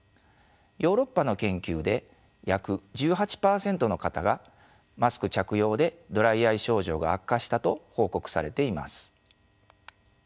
ヨーロッパの研究で約１８％の方がマスク着用でドライアイ症状が悪化したと報告されています。